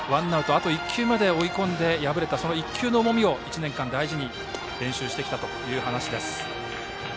あと１球まで追い込んで敗れたその１球の重みを１年間、大事に練習してきたという話です。